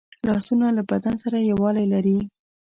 لاسونه له بدن سره یووالی لري